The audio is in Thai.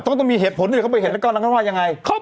ต้องมีเหตุผลไปให้เห็นก่อนแล้วก็ว่ายังไง